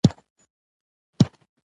فيمنيزم د دې توپير پر علتونو فکر وکړ.